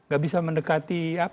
gak bisa mendekati